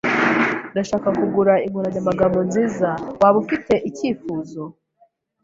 Ndashaka kugura inkoranyamagambo nziza. Waba ufite icyifuzo?